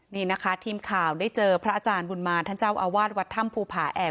นี่นะคะทีมข่าวได้เจอพระอาจารย์บุญมารท่านเจ้าอาวาสวัดถ้ำภูผาแอก